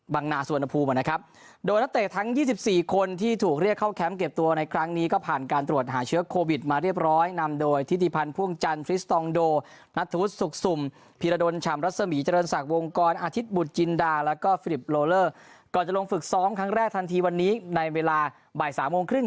บังนาสวนภูมิมานะครับโดยนัดเตะทั้งยี่สิบสี่คนที่ถูกเรียกเข้าแคมป์เก็บตัวในครั้งนี้ก็ผ่านการตรวจหาเชื้อโควิดมาเรียบร้อยนำโดยทิศทีพันธ์พ่วงจันทริสตองโดนัทธุสุกสุ่มพิรดนชำรัศมิจรณศักดิ์วงกรอาทิตย์บุตรจินดาแล้วก็ฟิลิปโลเลอร์ก่อนจะลงฝึกซ้